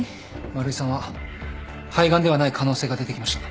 丸井さんは肺がんではない可能性が出てきました。